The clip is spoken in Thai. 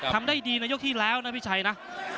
ทำได้ดีในยกที่แล้วนะพี่ชัยนะ